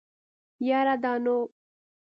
يره دا نو.